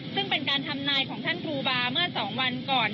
ซึ่งเป็นการทำนายของท่านครูบาเมื่อ๒วันก่อน